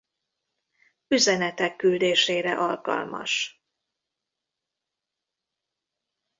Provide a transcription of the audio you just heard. Üzenetek küldésére alkalmas.